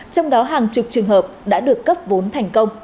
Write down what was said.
trong đó hàng chục trường hợp đã được cấp vốn thành công